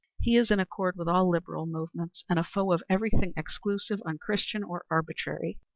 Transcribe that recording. He is in accord with all liberal movements, and a foe of everything exclusive, unchristian or arbitrary.